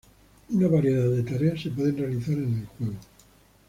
Una variedad de tareas se pueden realizar en el juego.